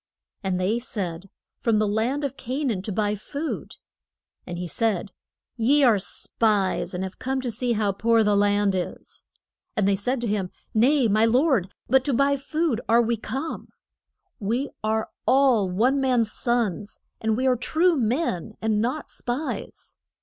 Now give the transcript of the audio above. And they said, From the land of Ca naan to buy food. And he said, Ye are spies, and have come to see how poor the land is. And they said to him, Nay, my lord, but to buy food are we come. We are all one man's sons; and we are true men, and not spies.